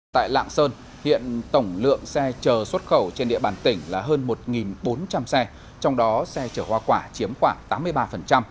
tại lạng sơn hiện tổng lượng xe chở xuất khẩu trên địa bàn tỉnh là hơn một bốn trăm linh xe trong đó xe chở hoa quả chiếm khoảng tám mươi ba